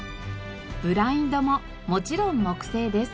ブラインドももちろん木製です。